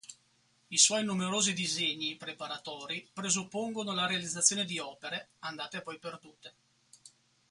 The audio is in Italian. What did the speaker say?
I suoi numerosi disegni preparatori presuppongono la realizzazione di opere, andate poi perdute.